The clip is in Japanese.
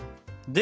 で？